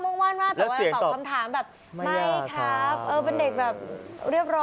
่งม่อนมากแต่ว่าตอบคำถามแบบไม่ครับเออเป็นเด็กแบบเรียบร้อย